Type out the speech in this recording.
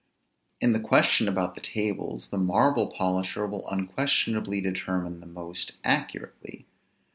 In the question about the tables, the marble polisher will unquestionably determine the most accurately.